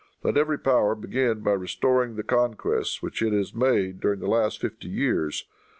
"Let every power begin by restoring the conquests which it has made during the last fifty years.